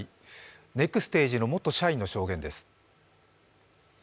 ネクステージの元社員の証言です。